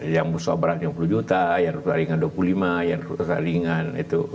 yang rusak berat yang puluh juta yang rusak ringan dua puluh lima yang rusak ringan itu